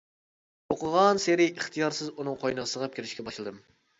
ئوقۇغانسېرى ئىختىيارسىز ئۇنىڭ قوينىغا سىڭىپ كىرىشكە باشلىدىم.